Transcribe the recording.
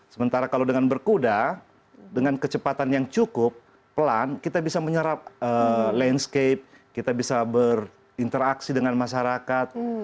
sementara kalau dengan berkuda dengan kecepatan yang cukup pelan kita bisa menyerap landscape kita bisa berinteraksi dengan masyarakat